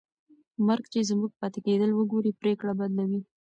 مرګ چې زموږ پاتې کېدل وګوري، پرېکړه بدلوي.